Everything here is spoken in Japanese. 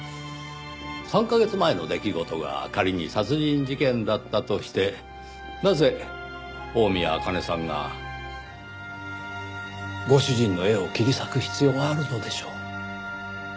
３カ月前の出来事が仮に殺人事件だったとしてなぜ大宮アカネさんがご主人の絵を切り裂く必要があるのでしょう？